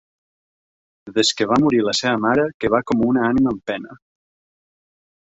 Des que va morir la seva mare que va com una ànima en pena.